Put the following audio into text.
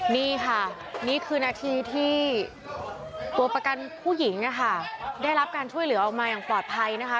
นี่ค่ะนี่คือนาทีที่ตัวประกันผู้หญิงได้รับการช่วยเหลือออกมาอย่างปลอดภัยนะคะ